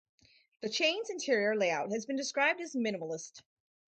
The chain's interior layout has been described as "minimalist".